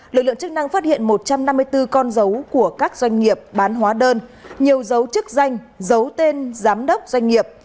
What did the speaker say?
lực lượng chức năng phát hiện một trăm năm mươi bốn con dấu của các doanh nghiệp bán hóa đơn nhiều dấu chức danh dấu tên giám đốc doanh nghiệp